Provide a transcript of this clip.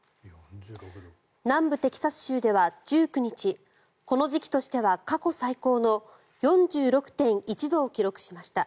南部テキサス州では１９日この時期としては過去最高の４６．１度を記録しました。